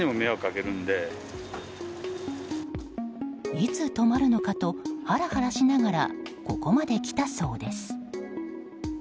いつ止まるのかとハラハラしながらここまで来たそうです。